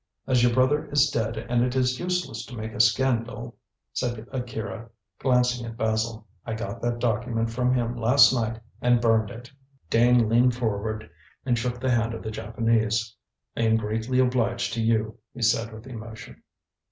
As your brother is dead and it is useless to make a scandal," said Akira, glancing at Basil, "I got that document from him last night and burned it." Dane leaned forward and shook the hand of the Japanese. "I am greatly obliged to you," he said with emotion.